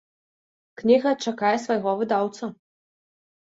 Кніга чакае свайго выдаўца.